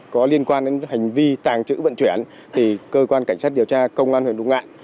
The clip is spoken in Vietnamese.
có liên quan đến hành vi tàng trữ vận chuyển thì cơ quan cảnh sát điều tra công an huyện đông ngạn